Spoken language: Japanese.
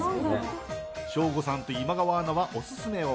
ショーゴさんと今川アナはオススメを。